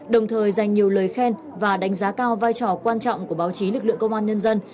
đồng thời dành nhiều lời khen và đánh giá cao vai trò quan trọng của báo chí lực lượng công an nhân dân